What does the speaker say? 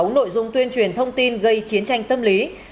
sáu nội dung tuyên truyền thông tin gây